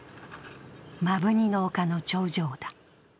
摩文仁の丘の頂上だ。